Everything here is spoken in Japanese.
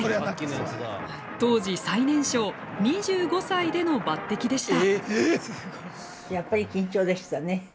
当時最年少２５歳での抜てきでした。